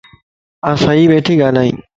آن صحيح ٻيڻھي ڳالھائين